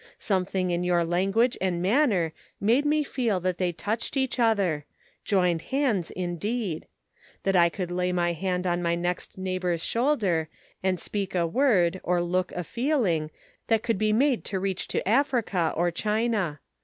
Some thing in your language and manner made me feel that they touched each other — joined Measuring Human Influence. 381 hands, indeed ; that I could lay my hand on my next neighbor's shoulder, and speak a word or look a feeling, that could be made to reach to Africa or China.